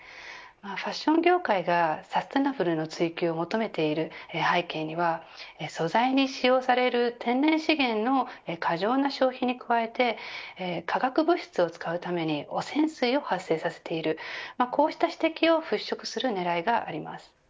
ファッション業界がサステイナブルの追及を求めている背景には素材に使用される天然資源の過剰な消費に加えて化学物質を使うために汚染水を発生させているこうした指摘を払拭する狙いがあります。